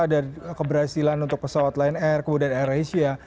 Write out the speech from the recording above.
dari keberhasilan untuk pesawat lion air kemudian air asia